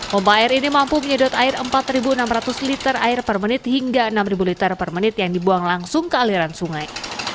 pompa air ini mampu menyedot air empat enam ratus liter air per menit hingga enam liter per menit yang dibuang langsung ke aliran sungai